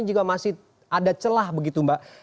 jika masih ada celah begitu mbak